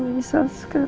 mama menyesal sekali